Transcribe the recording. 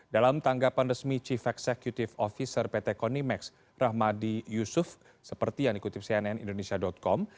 dalam tanggapan resmi chief executive officer pt konimex rahmadi yusuf seperti yang dikutip cnn indonesia com